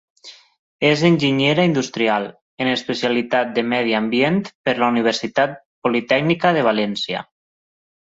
És enginyera industrial, en especialitat de Medi Ambient per la Universitat Politècnica de València.